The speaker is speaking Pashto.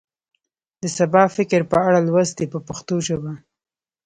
د سبا فکر په اړه لوست دی په پښتو ژبه.